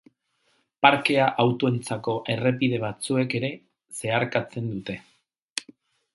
Parkea autoentzako errepide batzuek ere zeharkatzen dute.